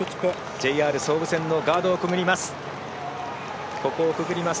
ＪＲ総武線のガードをくぐります。